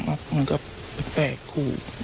เหมือนกับแปลกคู่